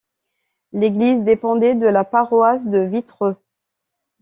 L'église dépendait de la paroisse de Vitreux.